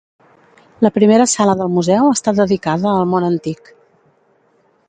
La primera sala del museu està dedicada al món antic.